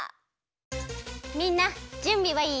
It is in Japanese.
みんなじゅんびはいい？